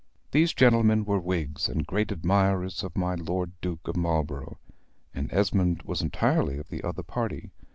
These gentlemen were Whigs, and great admirers of my Lord Duke of Marlborough; and Esmond was entirely of the other party.